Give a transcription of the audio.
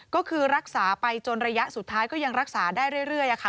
ก็คือรักษาไปจนระยะสุดท้ายก็ยังรักษาได้เรื่อยค่ะ